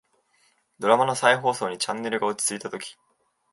ドラマの再放送にチャンネルが落ち着いたとき、